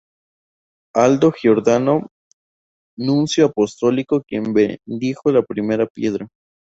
Aldo Giordano, Nuncio Apostólico quien bendijo la primera piedra.